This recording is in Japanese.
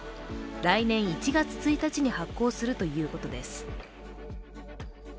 来年１月１日に発効するということです。